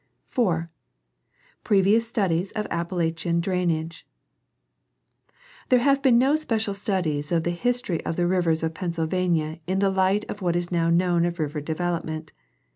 4. Previous studies of Appalachian drainage. — There have been no special studies of the history of the rivers of Pennsyl vania in the light of what is now known of river development.